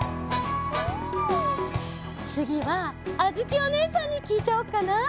つぎはあづきおねえさんにきいちゃおうかな。